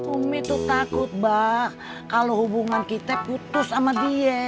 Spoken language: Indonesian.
umi tuh takut mbak kalau hubungan kita putus sama dia